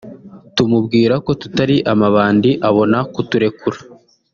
tumubwira ko tutari amabandi abona kuturekura